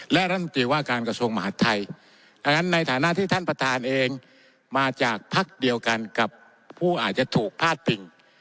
และรัฐมนตรีว่าการกระทรวงมหาดไทยดังนั้นในฐานะที่ท่านประธานเองมาจากพักเดียวกันกับผู้อาจจะถูกพาดพิง